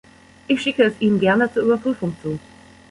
Ich schicke es Ihnen gerne zur Überprüfung zu.